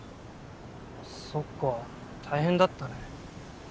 そっか大変だったね。